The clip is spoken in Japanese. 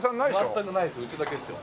全くないですうちだけですよ。